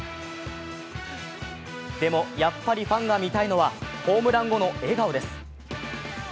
でも、やっぱりファンが見たいのはホームラン後の笑顔です。